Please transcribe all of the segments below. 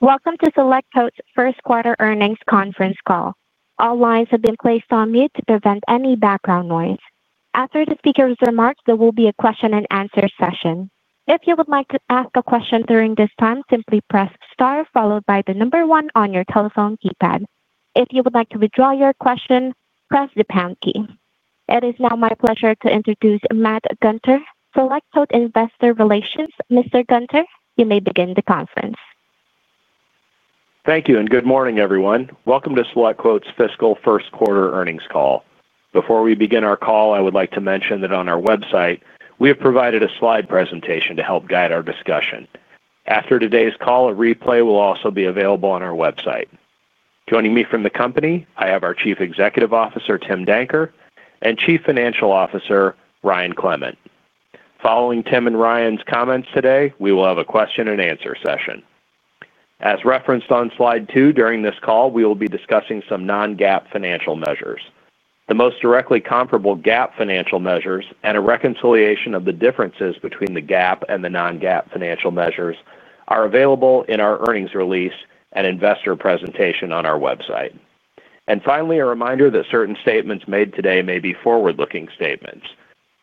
Welcome to SelectQuote's first-quarter earnings conference call. All lines have been placed on mute to prevent any background noise. After the speaker's remarks, there will be a question-and-answer session. If you would like to ask a question during this time, simply press star followed by the number one on your telephone keypad. If you would like to withdraw your question, press the pound key. It is now my pleasure to introduce Matt Gunter, SelectQuote Investor Relations. Mr. Gunter, you may begin the conference. Thank you, and good morning, everyone. Welcome to SelectQuote's fiscal first-quarter earnings call. Before we begin our call, I would like to mention that on our website, we have provided a slide presentation to help guide our discussion. After today's call, a replay will also be available on our website. Joining me from the company, I have our Chief Executive Officer, Tim Danker, and Chief Financial Officer, Ryan Clement. Following Tim and Ryan's comments today, we will have a question-and-answer session. As referenced on slide two, during this call, we will be discussing some non-GAAP financial measures. The most directly comparable GAAP financial measures and a reconciliation of the differences between the GAAP and the non-GAAP financial measures are available in our earnings release and investor presentation on our website. Finally, a reminder that certain statements made today may be forward-looking statements.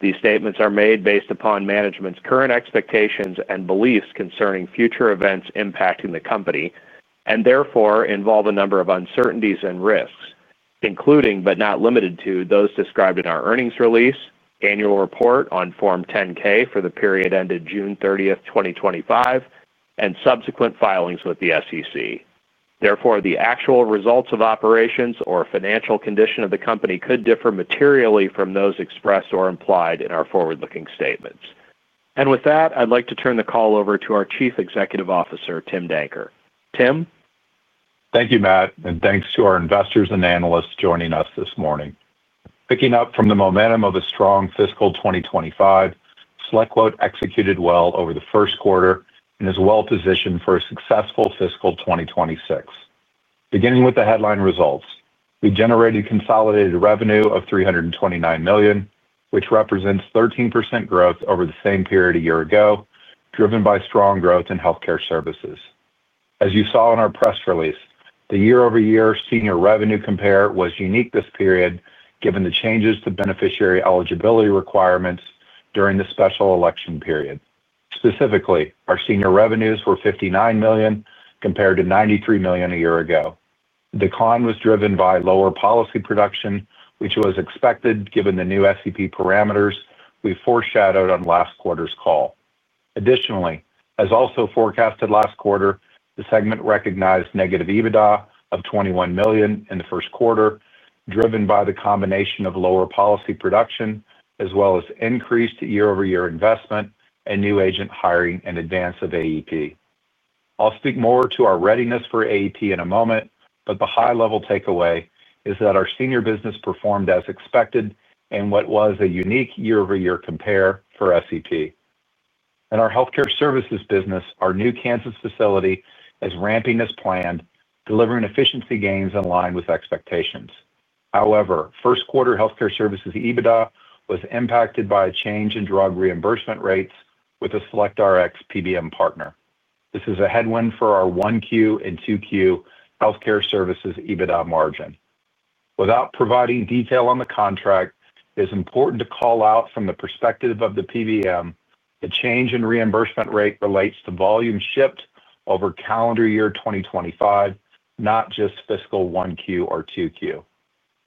These statements are made based upon management's current expectations and beliefs concerning future events impacting the company and therefore involve a number of uncertainties and risks, including but not limited to those described in our earnings release, annual report on Form 10-K for the period ended June 30, 2025, and subsequent filings with the SEC. Therefore, the actual results of operations or financial condition of the company could differ materially from those expressed or implied in our forward-looking statements. With that, I'd like to turn the call over to our Chief Executive Officer, Tim Danker. Tim? Thank you, Matt, and thanks to our investors and analysts joining us this morning. Picking up from the momentum of a strong fiscal 2025, SelectQuote executed well over the first quarter and is well positioned for a successful fiscal 2026. Beginning with the headline results, we generated consolidated revenue of $329 million, which represents 13% growth over the same period a year ago, driven by strong growth in healthcare services. As you saw in our press release, the year-over-year senior revenue compare was unique this period, given the changes to beneficiary eligibility requirements during the special election period. Specifically, our senior revenues were $59 million compared to $93 million a year ago. The decline was driven by lower policy production, which was expected given the new SEP parameters we foreshadowed on last quarter's call. Additionally, as also forecasted last quarter, the segment recognized negative EBITDA of $21 million in the first quarter, driven by the combination of lower policy production as well as increased year-over-year investment and new agent hiring in advance of AEP. I'll speak more to our readiness for AEP in a moment, but the high-level takeaway is that our senior business performed as expected in what was a unique year-over-year compare for SEP. In our healthcare services business, our new Kansas facility is ramping as planned, delivering efficiency gains in line with expectations. However, first-quarter healthcare services EBITDA was impacted by a change in drug reimbursement rates with a SelectRx PBM partner. This is a headwind for our 1Q and 2Q healthcare services EBITDA margin. Without providing detail on the contract, it is important to call out from the perspective of the PBM, the change in reimbursement rate relates to volume shipped over calendar year 2025, not just fiscal 1Q or 2Q.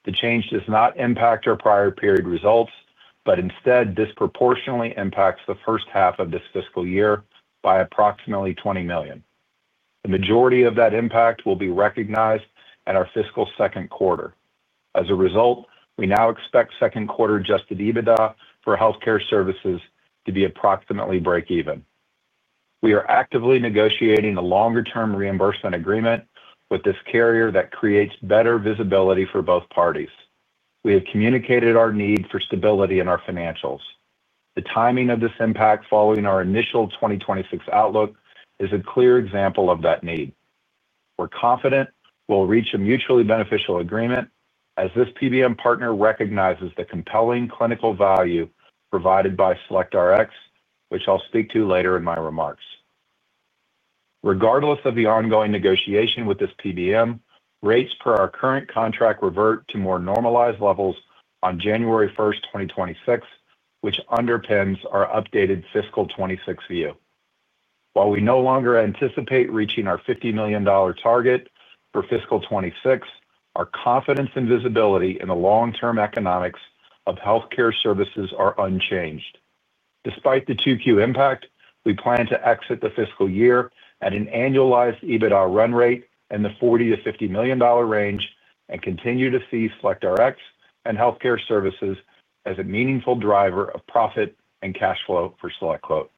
The change does not impact our prior period results, but instead disproportionately impacts the first half of this fiscal year by approximately $20 million. The majority of that impact will be recognized at our fiscal second quarter. As a result, we now expect second-quarter adjusted EBITDA for healthcare services to be approximately break-even. We are actively negotiating a longer-term reimbursement agreement with this carrier that creates better visibility for both parties. We have communicated our need for stability in our financials. The timing of this impact following our initial 2026 outlook is a clear example of that need. We're confident we'll reach a mutually beneficial agreement as this PBM partner recognizes the compelling clinical value provided by SelectRx, which I'll speak to later in my remarks. Regardless of the ongoing negotiation with this PBM, rates per our current contract revert to more normalized levels on January 1st, 2026, which underpins our updated fiscal 2026 view. While we no longer anticipate reaching our $50 million target for fiscal 2026, our confidence and visibility in the long-term economics of healthcare services are unchanged. Despite the 2Q impact, we plan to exit the fiscal year at an annualized EBITDA run rate in the $40 million-$50 million range and continue to see SelectRx and healthcare services as a meaningful driver of profit and cash flow for SelectQuote.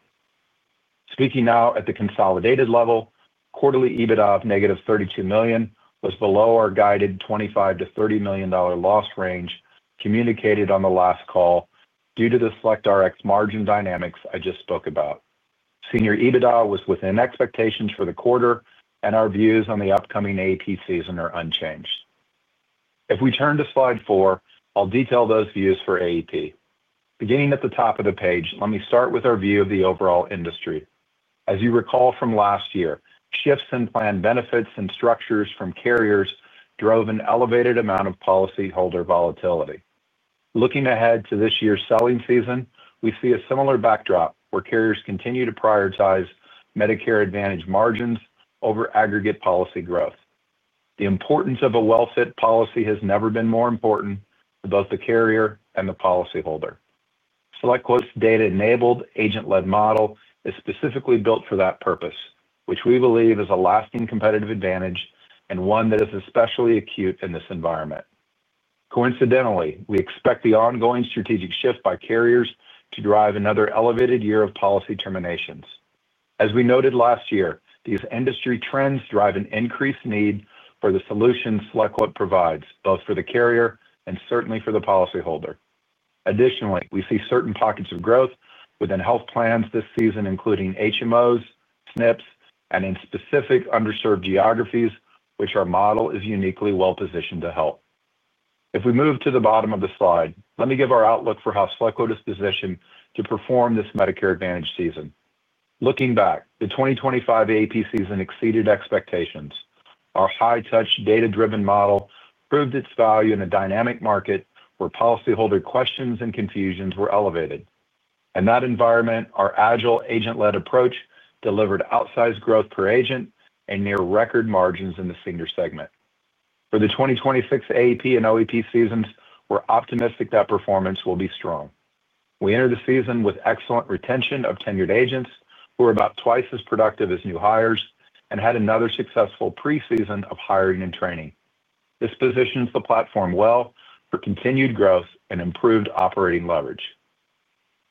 Speaking now at the consolidated level, quarterly EBITDA of -$32 million was below our guided $25 million-$30 million loss range communicated on the last call due to the SelectRx margin dynamics I just spoke about. Senior EBITDA was within expectations for the quarter, and our views on the upcoming AEP season are unchanged. If we turn to slide four, I'll detail those views for AEP. Beginning at the top of the page, let me start with our view of the overall industry. As you recall from last year, shifts in planned benefits and structures from carriers drove an elevated amount of policyholder volatility. Looking ahead to this year's selling season, we see a similar backdrop where carriers continue to prioritize Medicare Advantage margins over aggregate policy growth. The importance of a well-fit policy has never been more important to both the carrier and the policyholder. SelectQuote's data-enabled agent-led model is specifically built for that purpose, which we believe is a lasting competitive advantage and one that is especially acute in this environment. Coincidentally, we expect the ongoing strategic shift by carriers to drive another elevated year of policy terminations. As we noted last year, these industry trends drive an increased need for the solution SelectQuote provides, both for the carrier and certainly for the policyholder. Additionally, we see certain pockets of growth within health plans this season, including HMOs, SNPs, and in specific underserved geographies, which our model is uniquely well-positioned to help. If we move to the bottom of the slide, let me give our outlook for how SelectQuote is positioned to perform this Medicare Advantage season. Looking back, the 2025 AEP season exceeded expectations. Our high-touch, data-driven model proved its value in a dynamic market where policyholder questions and confusions were elevated. In that environment, our agile agent-led approach delivered outsized growth per agent and near-record margins in the senior segment. For the 2026 AEP and OEP seasons, we're optimistic that performance will be strong. We entered the season with excellent retention of tenured agents, who are about twice as productive as new hires, and had another successful preseason of hiring and training. This positions the platform well for continued growth and improved operating leverage.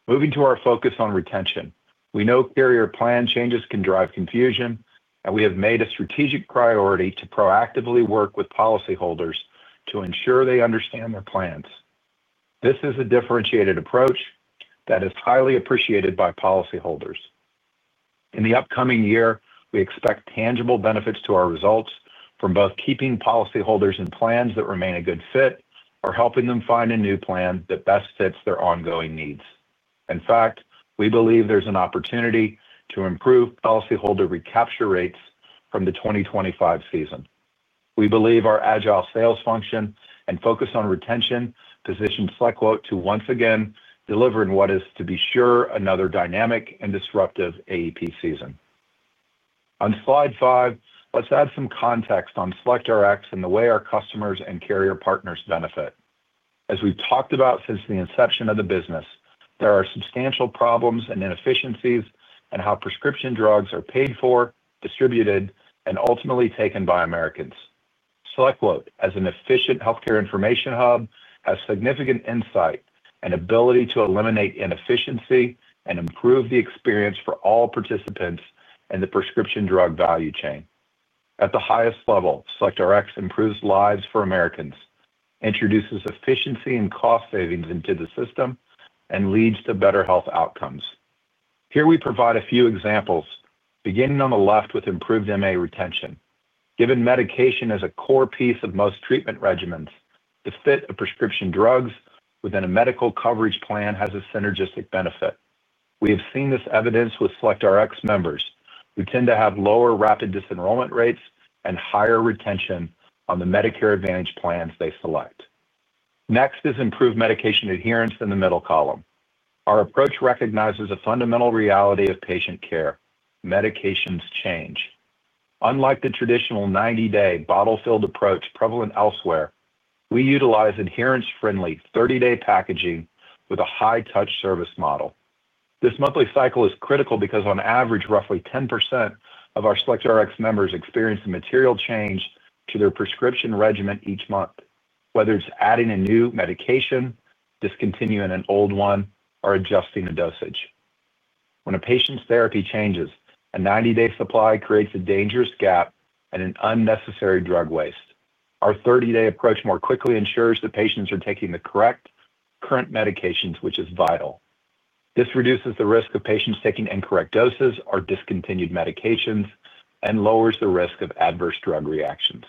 Moving to our focus on retention, we know carrier plan changes can drive confusion, and we have made a strategic priority to proactively work with policyholders to ensure they understand their plans. This is a differentiated approach that is highly appreciated by policyholders. In the upcoming year, we expect tangible benefits to our results from both keeping policyholders in plans that remain a good fit or helping them find a new plan that best fits their ongoing needs. In fact, we believe there's an opportunity to improve policyholder recapture rates from the 2025 season. We believe our agile sales function and focus on retention position SelectQuote to once again deliver in what is, to be sure, another dynamic and disruptive AEP season. On slide five, let's add some context on SelectRx and the way our customers and carrier partners benefit. As we've talked about since the inception of the business, there are substantial problems and inefficiencies in how prescription drugs are paid for, distributed, and ultimately taken by Americans. SelectQuote, as an efficient healthcare information hub, has significant insight and ability to eliminate inefficiency and improve the experience for all participants in the prescription drug value chain. At the highest level, SelectRx improves lives for Americans, introduces efficiency and cost savings into the system, and leads to better health outcomes. Here we provide a few examples, beginning on the left with improved MA retention. Given medication as a core piece of most treatment regimens, the fit of prescription drugs within a medical coverage plan has a synergistic benefit. We have seen this evidence with SelectRx members, who tend to have lower rapid disenrollment rates and higher retention on the Medicare Advantage plans they select. Next is improved medication adherence in the middle column. Our approach recognizes a fundamental reality of patient care: medications change. Unlike the traditional 90-day bottle-filled approach prevalent elsewhere, we utilize adherence-friendly 30-day packaging with a high-touch service model. This monthly cycle is critical because, on average, roughly 10% of our SelectRx members experience a material change to their prescription regimen each month, whether it's adding a new medication, discontinuing an old one, or adjusting a dosage. When a patient's therapy changes, a 90-day supply creates a dangerous gap and an unnecessary drug waste. Our 30-day approach more quickly ensures that patients are taking the correct current medications, which is vital. This reduces the risk of patients taking incorrect doses or discontinued medications and lowers the risk of adverse drug reactions.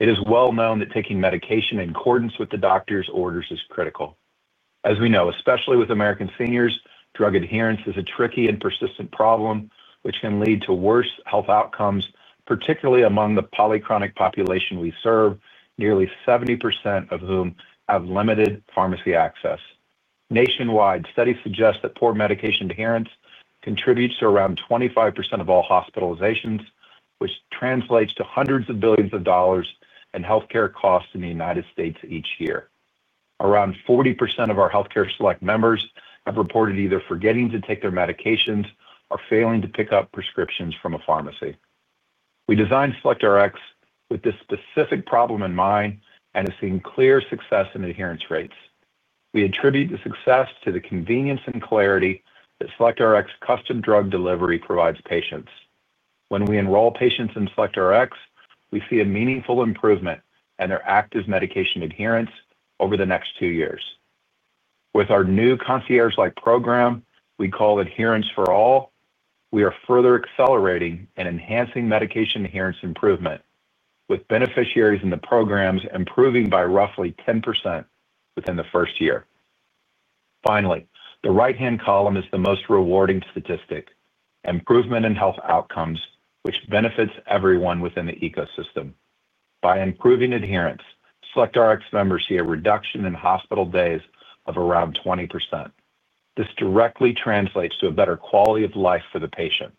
It is well known that taking medication in accordance with the doctor's orders is critical. As we know, especially with American seniors, drug adherence is a tricky and persistent problem, which can lead to worse health outcomes, particularly among the polychronic population we serve, nearly 70% of whom have limited pharmacy access. Nationwide, studies suggest that poor medication adherence contributes to around 25% of all hospitalizations, which translates to hundreds of billions of dollars in healthcare costs in the United States each year. Around 40% of our Healthcare Select members have reported either forgetting to take their medications or failing to pick up prescriptions from a pharmacy. We designed SelectRx with this specific problem in mind and have seen clear success in adherence rates. We attribute the success to the convenience and clarity that SelectRx custom drug delivery provides patients. When we enroll patients in SelectRx, we see a meaningful improvement in their active medication adherence over the next two years. With our new concierge-like program, we call Adherence for All, we are further accelerating and enhancing medication adherence improvement, with beneficiaries in the programs improving by roughly 10% within the first year. Finally, the right-hand column is the most rewarding statistic: improvement in health outcomes, which benefits everyone within the ecosystem. By improving adherence, SelectRx members see a reduction in hospital days of around 20%. This directly translates to a better quality of life for the patient,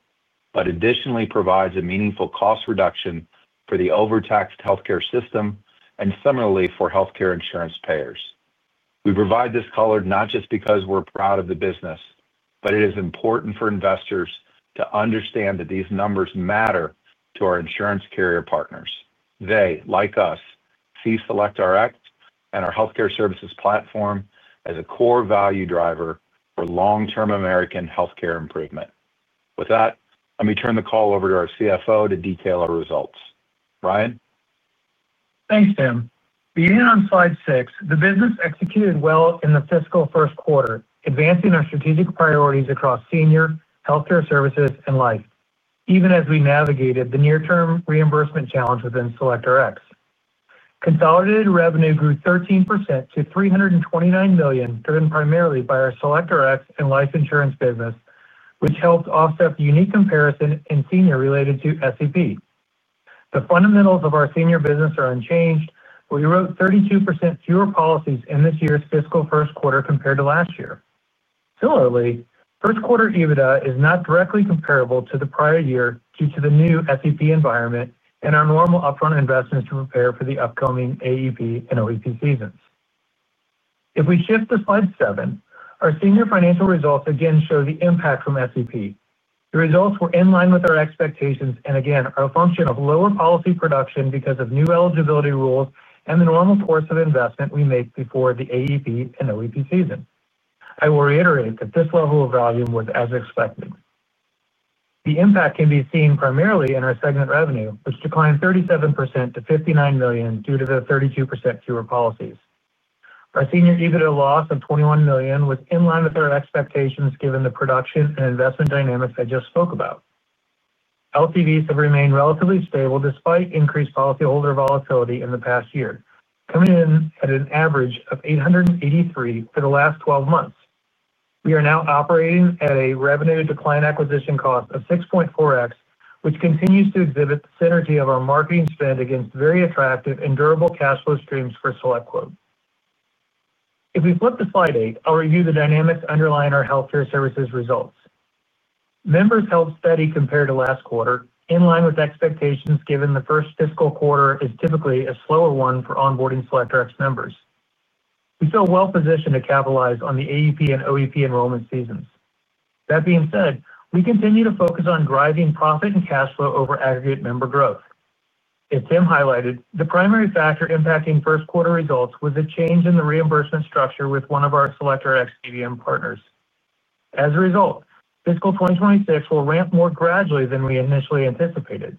but additionally provides a meaningful cost reduction for the overtaxed healthcare system and similarly for healthcare insurance payers. We provide this color not just because we're proud of the business, but it is important for investors to understand that these numbers matter to our insurance carrier partners. They, like us, see SelectRx and our healthcare services platform as a core value driver for long-term American healthcare improvement. With that, let me turn the call over to our CFO to detail our results. Ryan? Thanks, Tim. Beginning on slide six, the business executed well in the fiscal first quarter, advancing our strategic priorities across senior healthcare services and life, even as we navigated the near-term reimbursement challenge within SelectRx. Consolidated revenue grew 13% to $329 million, driven primarily by our SelectRx and life insurance business, which helped offset the unique comparison in senior related to SEP. The fundamentals of our senior business are unchanged. We wrote 32% fewer policies in this year's fiscal first quarter compared to last year. Similarly, first-quarter EBITDA is not directly comparable to the prior year due to the new SEP environment and our normal upfront investments to prepare for the upcoming AEP and OEP seasons. If we shift to slide seven, our senior financial results again show the impact from SEP. The results were in line with our expectations and, again, are a function of lower policy production because of new eligibility rules and the normal course of investment we make before the AEP and OEP season. I will reiterate that this level of volume was as expected. The impact can be seen primarily in our segment revenue, which declined 37% to $59 million due to the 32% fewer policies. Our senior EBITDA loss of $21 million was in line with our expectations given the production and investment dynamics I just spoke about. LTVs have remained relatively stable despite increased policyholder volatility in the past year, coming in at an average of $883 for the last 12 months. We are now operating at a revenue decline acquisition cost of 6.4x, which continues to exhibit the synergy of our marketing spend against very attractive and durable cash flow streams for SelectQuote. If we flip to slide eight, I'll review the dynamics underlying our healthcare services results. Members' health steady compared to last quarter, in line with expectations given the first fiscal quarter is typically a slower one for onboarding SelectRx members. We feel well-positioned to capitalize on the AEP and OEP enrollment seasons. That being said, we continue to focus on driving profit and cash flow over aggregate member growth. As Tim highlighted, the primary factor impacting first-quarter results was a change in the reimbursement structure with one of our SelectRx PBM partners. As a result, fiscal 2026 will ramp more gradually than we initially anticipated.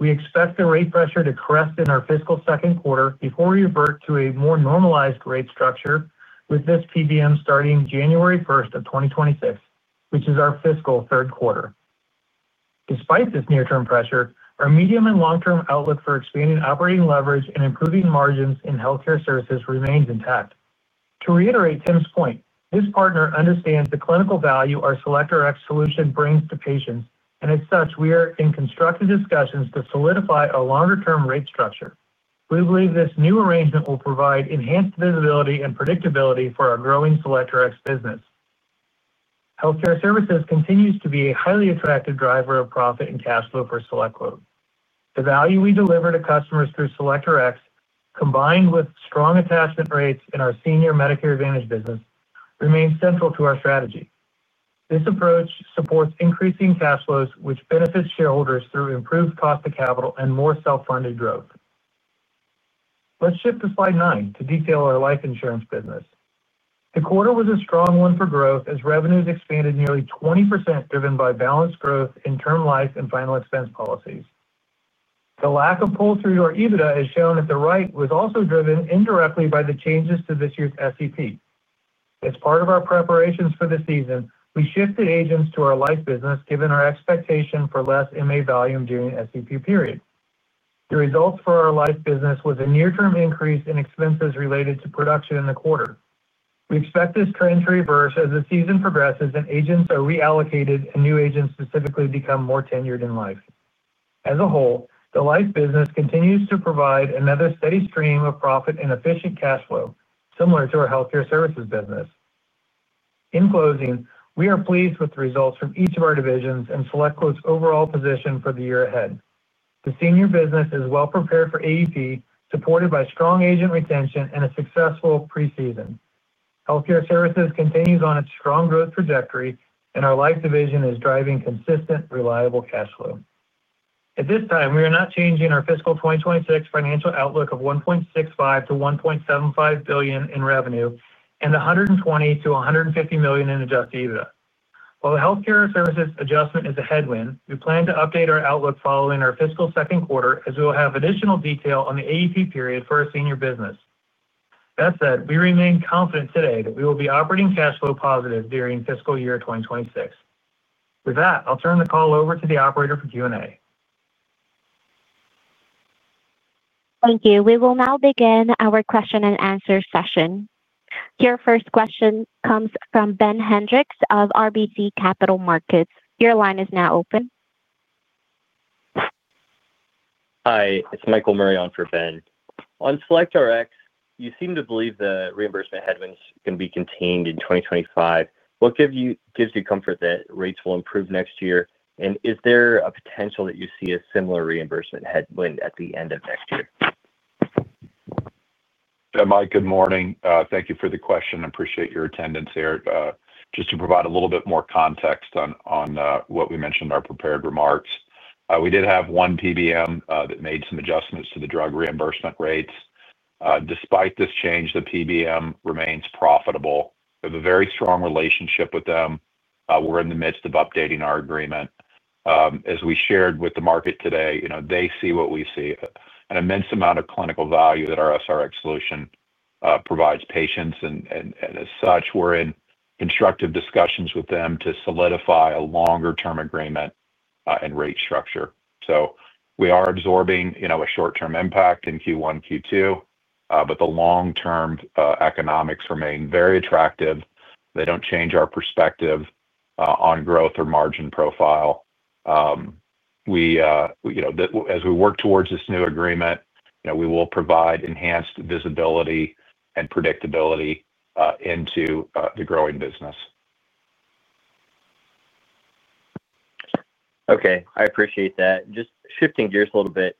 We expect the rate pressure to crest in our fiscal second quarter before we revert to a more normalized rate structure, with this PBM starting January 1st of 2026, which is our fiscal third quarter. Despite this near-term pressure, our medium and long-term outlook for expanding operating leverage and improving margins in healthcare services remains intact. To reiterate Tim's point, this partner understands the clinical value our SelectRx solution brings to patients, and as such, we are in constructive discussions to solidify a longer-term rate structure. We believe this new arrangement will provide enhanced visibility and predictability for our growing SelectRx business. Healthcare services continue to be a highly attractive driver of profit and cash flow for SelectQuote. The value we deliver to customers through SelectRx, combined with strong attachment rates in our senior Medicare Advantage business, remains central to our strategy. This approach supports increasing cash flows, which benefits shareholders through improved cost of capital and more self-funded growth. Let's shift to slide nine to detail our life insurance business. The quarter was a strong one for growth as revenues expanded nearly 20%, driven by balanced growth in term life and final expense policies. The lack of pull-through to our EBITDA has shown that the right was also driven indirectly by the changes to this year's SEP. As part of our preparations for the season, we shifted agents to our life business, given our expectation for less MA volume during the SEP period. The results for our life business were a near-term increase in expenses related to production in the quarter. We expect this trend to reverse as the season progresses and agents are reallocated and new agents specifically become more tenured in life. As a whole, the life business continues to provide another steady stream of profit and efficient cash flow, similar to our healthcare services business. In closing, we are pleased with the results from each of our divisions and SelectQuote's overall position for the year ahead. The senior business is well-prepared for AEP, supported by strong agent retention and a successful preseason. Healthcare services continues on its strong growth trajectory, and our life division is driving consistent, reliable cash flow. At this time, we are not changing our fiscal 2026 financial outlook of $1.65 billion-$1.75 billion in revenue and $120 million-$150 million in adjusted EBITDA. While the healthcare services adjustment is a headwind, we plan to update our outlook following our fiscal second quarter, as we will have additional detail on the AEP period for our senior business. That said, we remain confident today that we will be operating cash flow positive during fiscal year 2026. With that, I'll turn the call over to the operator for Q&A. Thank you. We will now begin our question-and-answer session. Your first question comes from Ben Hendrix of RBC Capital Markets. Your line is now open. Hi, it's Michael Murray for Ben. On SelectRx, you seem to believe the reimbursement headwinds can be contained in 2025. What gives you comfort that rates will improve next year? Is there a potential that you see a similar reimbursement headwind at the end of next year? Mike, good morning. Thank you for the question. I appreciate your attendance here. Just to provide a little bit more context on what we mentioned in our prepared remarks, we did have one PBM that made some adjustments to the drug reimbursement rates. Despite this change, the PBM remains profitable. We have a very strong relationship with them. We're in the midst of updating our agreement. As we shared with the market today, they see what we see: an immense amount of clinical value that our SRX solution provides patients. As such, we're in constructive discussions with them to solidify a longer-term agreement and rate structure. We are absorbing a short-term impact in Q1, Q2, but the long-term economics remain very attractive. They do not change our perspective on growth or margin profile. As we work towards this new agreement, we will provide enhanced visibility and predictability into the growing business. Okay. I appreciate that. Just shifting gears a little bit,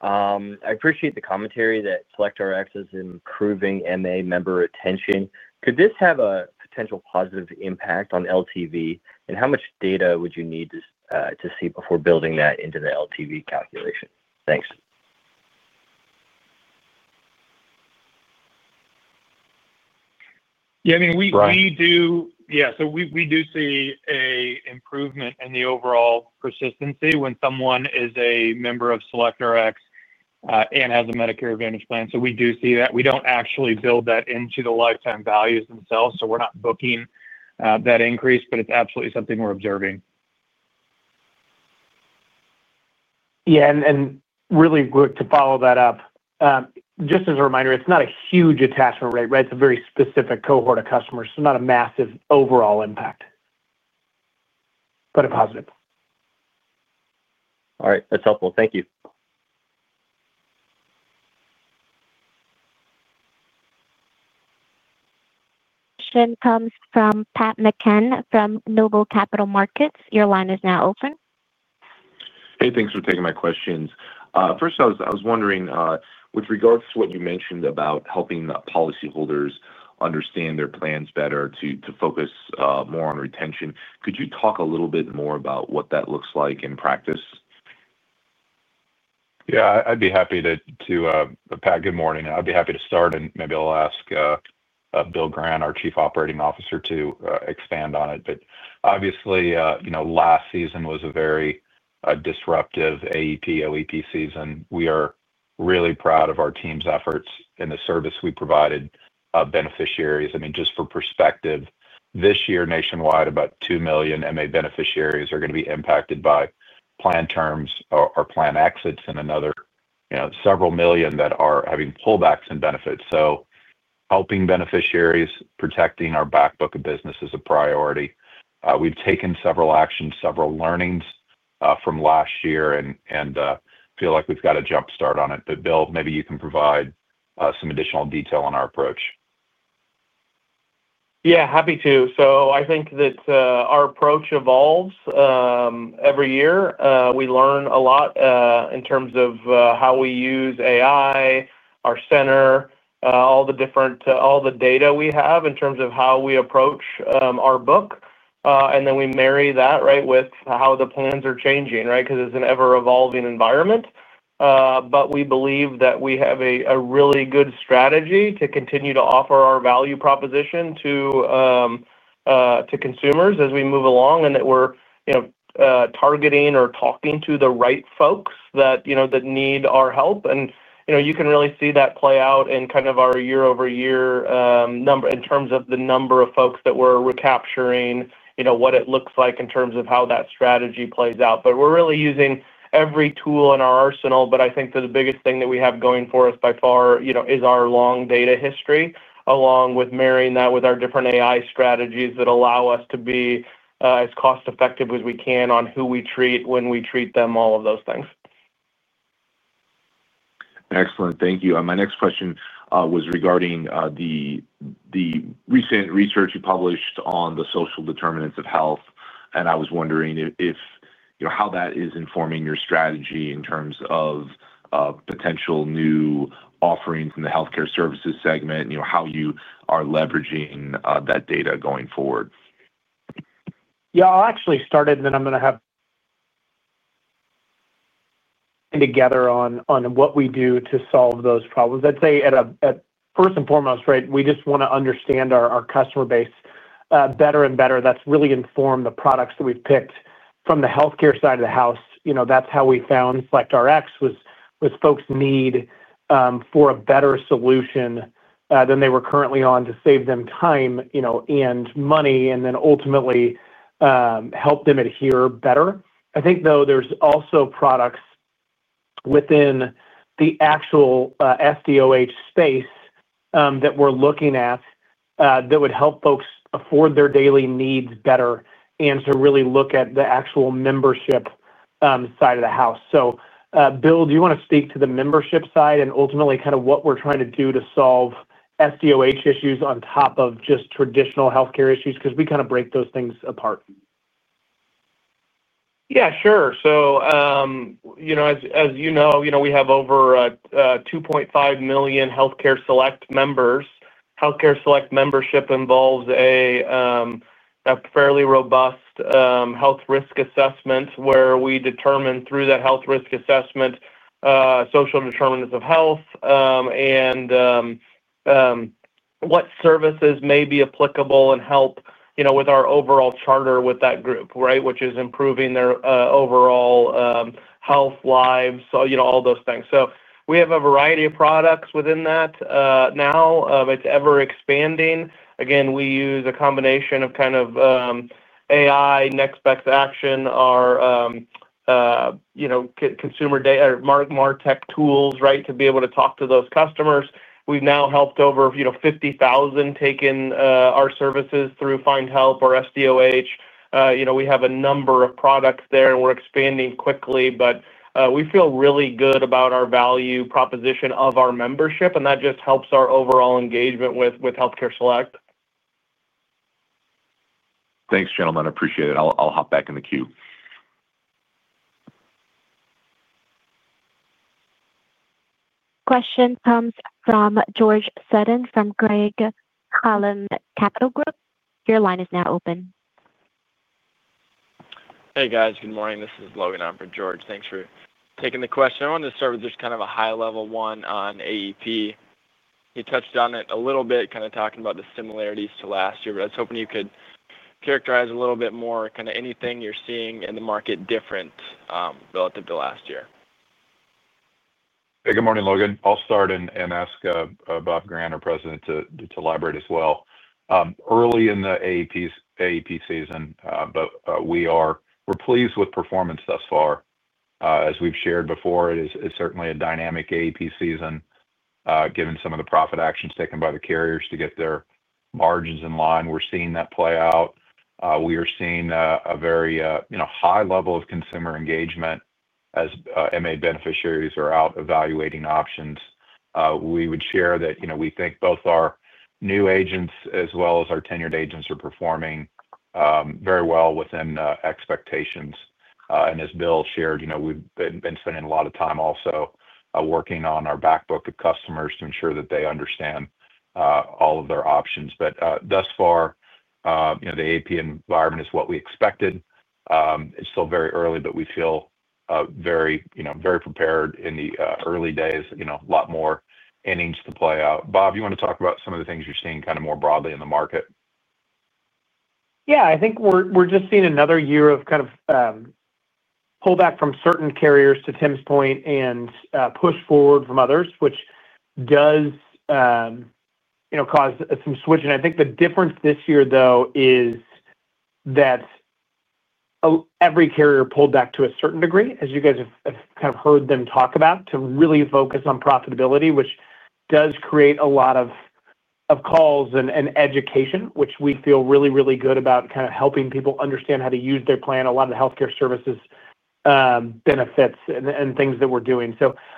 I appreciate the commentary that SelectRx is improving MA member retention. Could this have a potential positive impact on LTV? And how much data would you need to see before building that into the LTV calculation? Thanks. Yeah. I mean, we do. Yeah. We do see an improvement in the overall persistency when someone is a member of SelectRx and has a Medicare Advantage plan. We do see that. We do not actually build that into the lifetime values themselves, so we are not booking that increase, but it is absolutely something we are observing. Yeah. Really quick to follow that up. Just as a reminder, it is not a huge attachment rate, right? It is a very specific cohort of customers, so not a massive overall impact but a positive. All right. That is helpful. Thank you. Question comes from Pat McCann from NOBLE Capital Markets. Your line is now open. Hey. Thanks for taking my questions. First, I was wondering, with regards to what you mentioned about helping policyholders understand their plans better to focus more on retention, could you talk a little bit more about what that looks like in practice? Yeah. I'd be happy to—Pat, good morning. I'd be happy to start, and maybe I'll ask Bill Grant, our Chief Operating Officer, to expand on it. Obviously, last season was a very disruptive AEP, OEP season. We are really proud of our team's efforts and the service we provided beneficiaries. I mean, just for perspective, this year, nationwide, about 2 million MA beneficiaries are going to be impacted by plan terms or plan exits and another several million that are having pullbacks in benefits. Helping beneficiaries, protecting our backbook of business is a priority. We've taken several actions, several learnings from last year, and I feel like we've got a jumpstart on it. Bill, maybe you can provide some additional detail on our approach? Yeah, happy to. I think that our approach evolves every year. We learn a lot in terms of how we use AI, our center, all the data we have in terms of how we approach our book. Then we marry that, right, with how the plans are changing, right? Because it is an ever-evolving environment. We believe that we have a really good strategy to continue to offer our value proposition to consumers as we move along and that we are targeting or talking to the right folks that need our help. You can really see that play out in kind of our year-over-year number in terms of the number of folks that we are recapturing, what it looks like in terms of how that strategy plays out. We are really using every tool in our arsenal. I think that the biggest thing that we have going for us by far is our long data history, along with marrying that with our different AI strategies that allow us to be as cost-effective as we can on who we treat, when we treat them, all of those things. Excellent. Thank you. My next question was regarding the recent research you published on the social determinants of health. I was wondering how that is informing your strategy in terms of potential new offerings in the healthcare services segment, how you are leveraging that data going forward. Yeah. I'll actually start it, and then I'm going to have together on what we do to solve those problems. I'd say, first and foremost, right, we just want to understand our customer base better and better. That's really informed the products that we've picked from the healthcare side of the house. That's how we found SelectRx was folks' need for a better solution than they were currently on to save them time and money and then ultimately help them adhere better. I think, though, there's also products within the actual SDOH space that we're looking at that would help folks afford their daily needs better and to really look at the actual membership side of the house. Bill, do you want to speak to the membership side and ultimately kind of what we're trying to do to solve SDOH issues on top of just traditional healthcare issues? Because we kind of break those things apart. Yeah, sure. As you know, we have over 2.5 million Healthcare Select members. Healthcare Select membership involves a fairly robust health risk assessment where we determine, through that health risk assessment, social determinants of health and what services may be applicable and help with our overall charter with that group, right, which is improving their overall health lives, all those things. We have a variety of products within that now. It's ever-expanding. Again, we use a combination of kind of AI, NextBacks Action, our MarTech tools, right, to be able to talk to those customers. We've now helped over 50,000 take in our services through FindHelp or SDOH. We have a number of products there, and we're expanding quickly. We feel really good about our value proposition of our membership, and that just helps our overall engagement with Healthcare Select. Thanks, gentlemen. I appreciate it. I'll hop back in the queue. Question comes from George Sutton from Craig-Hallum. Your line is now open. Hey, guys. Good morning. This is Logan. I'm for George. Thanks for taking the question. I wanted to start with just kind of a high-level one on AEP. You touched on it a little bit, kind of talking about the similarities to last year, but I was hoping you could characterize a little bit more kind of anything you're seeing in the market different. Relative to last year. Hey. Good morning, Logan. I'll start and ask Bob Grant, our President, to elaborate as well. Early in the AEP season, but we're pleased with performance thus far. As we've shared before, it is certainly a dynamic AEP season. Given some of the profit actions taken by the carriers to get their margins in line, we're seeing that play out. We are seeing a very high level of consumer engagement as MA beneficiaries are out evaluating options. We would share that we think both our new agents as well as our tenured agents are performing very well within expectations. As Bill shared, we have been spending a lot of time also working on our backbook of customers to ensure that they understand all of their options. Thus far, the AEP environment is what we expected. It is still very early, but we feel very prepared in the early days, a lot more innings to play out. Bob, you want to talk about some of the things you are seeing kind of more broadly in the market? Yeah. I think we are just seeing another year of kind of pullback from certain carriers, to Tim's point, and push forward from others, which does cause some switching. I think the difference this year, though, is that. Every carrier pulled back to a certain degree, as you guys have kind of heard them talk about, to really focus on profitability, which does create a lot of calls and education, which we feel really, really good about kind of helping people understand how to use their plan, a lot of the healthcare services, benefits, and things that we're doing.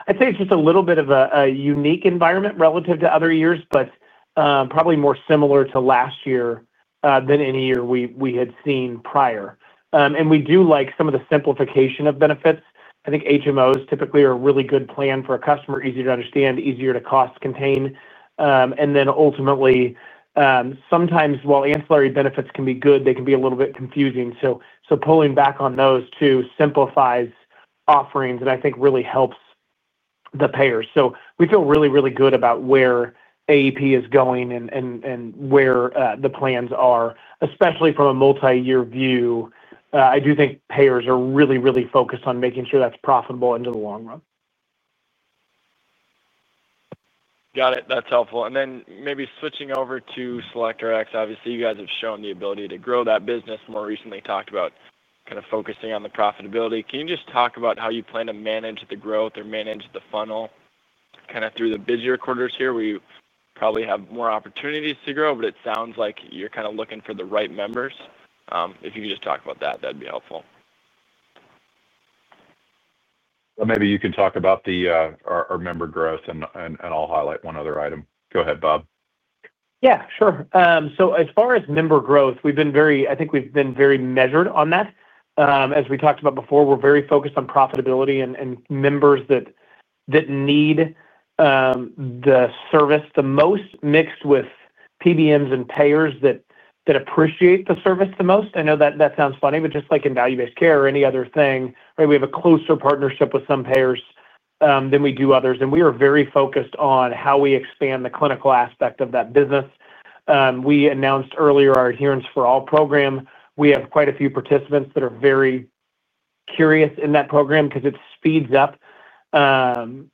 I'd say it's just a little bit of a unique environment relative to other years, but probably more similar to last year than any year we had seen prior. We do like some of the simplification of benefits. I think HMOs typically are a really good plan for a customer, easy to understand, easier to cost contain. Ultimately, sometimes while ancillary benefits can be good, they can be a little bit confusing. Pulling back on those to simplify offerings, and I think really helps the payers. We feel really, really good about where AEP is going and where the plans are, especially from a multi-year view. I do think payers are really, really focused on making sure that's profitable into the long run. Got it. That's helpful. Maybe switching over to SelectRx, obviously, you guys have shown the ability to grow that business. More recently talked about kind of focusing on the profitability. Can you just talk about how you plan to manage the growth or manage the funnel kind of through the busier quarters here where you probably have more opportunities to grow? It sounds like you're kind of looking for the right members. If you can just talk about that, that'd be helpful. Maybe you can talk about our member growth, and I'll highlight one other item. Go ahead, Bob. Yeah. Sure. As far as member growth, I think we've been very measured on that. As we talked about before, we're very focused on profitability and members that need the service the most, mixed with PBMs and payers that appreciate the service the most. I know that sounds funny, but just like in value-based care or any other thing, right, we have a closer partnership with some payers than we do others. We are very focused on how we expand the clinical aspect of that business. We announced earlier our Adherence for All program. We have quite a few participants that are very curious in that program because it speeds up. Tim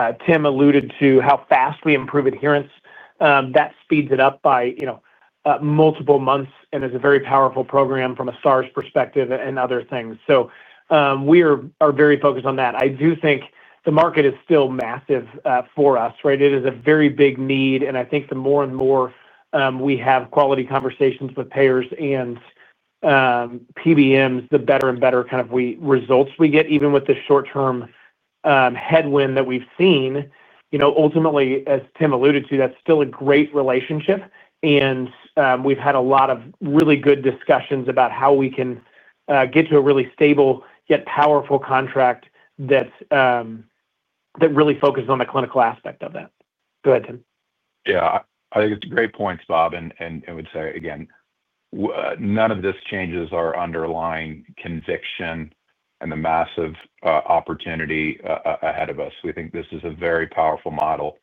alluded to how fast we improve adherence. That speeds it up by. Multiple months and is a very powerful program from a SDOH perspective and other things. We are very focused on that. I do think the market is still massive for us, right? It is a very big need. I think the more and more we have quality conversations with payers and PBMs, the better and better kind of results we get, even with the short-term headwind that we've seen. Ultimately, as Tim alluded to, that's still a great relationship. We've had a lot of really good discussions about how we can get to a really stable yet powerful contract that really focuses on the clinical aspect of that. Go ahead, Tim. Yeah. I think it's a great point, Bob. I would say, again, none of this changes our underlying conviction and the massive opportunity ahead of us. We think this is a very powerful model,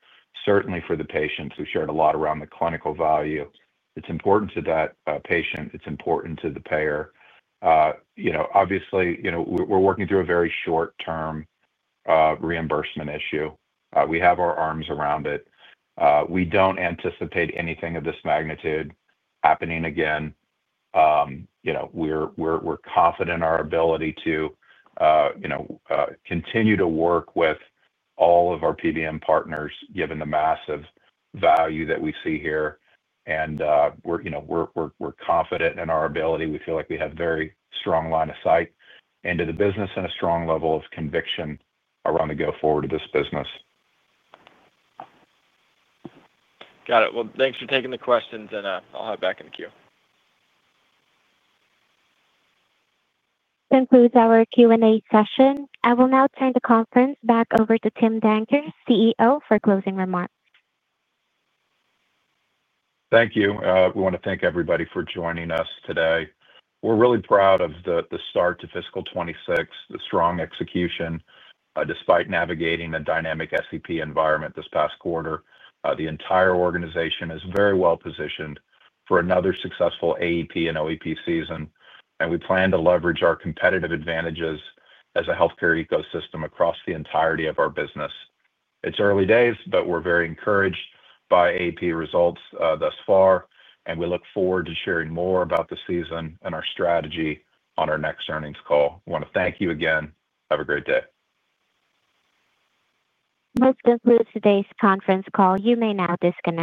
certainly for the patients. We've shared a lot around the clinical value. It's important to that patient. It's important to the payer. Obviously, we're working through a very short-term reimbursement issue. We have our arms around it. We don't anticipate anything of this magnitude happening again. We're confident in our ability to continue to work with all of our PBM partners, given the massive value that we see here. We're confident in our ability. We feel like we have a very strong line of sight into the business and a strong level of conviction around the go-forward of this business. Got it. Thanks for taking the questions, and I'll hop back in the queue. Concludes our Q&A session. I will now turn the conference back over to Tim Danker, CEO, for closing remarks. Thank you. We want to thank everybody for joining us today. We're really proud of the start to fiscal 2026, the strong execution. Despite navigating a dynamic SEP environment this past quarter, the entire organization is very well positioned for another successful AEP and OEP season. We plan to leverage our competitive advantages as a healthcare ecosystem across the entirety of our business. It's early days, but we're very encouraged by AEP results thus far, and we look forward to sharing more about the season and our strategy on our next earnings call. I want to thank you again. Have a great day. This concludes today's conference call. You may now disconnect.